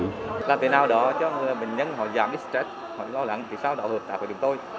làm thế nào đó cho bệnh nhân họ giảm ít stress họ lo lắng thì sao đó hợp tác với chúng tôi